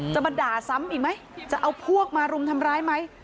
จะมาด่าซ้ำอีกไหมจะเอาพวกมารุมทำร้ายไหม